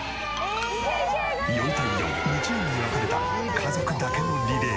４対４２チームに分かれた家族だけのリレー。